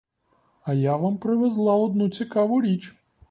А я вам привезла одну цікаву річ.